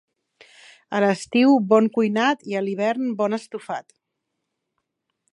A l'estiu, bon cuinat, i a l'hivern, bon estofat.